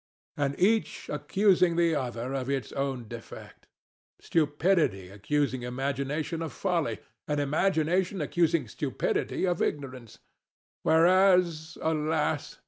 And each accusing the other of its own defect: Stupidity accusing Imagination of folly, and Imagination accusing Stupidity of ignorance: whereas, alas!